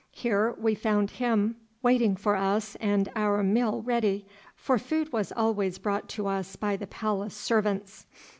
Here we found him waiting for us and our meal ready, for food was always brought to us by the palace servants.